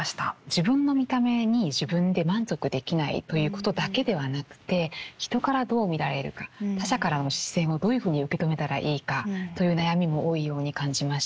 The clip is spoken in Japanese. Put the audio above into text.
自分の見た目に自分で満足できないということだけではなくて人からどう見られるか他者からの視線をどういうふうに受け止めたらいいかという悩みも多いように感じました。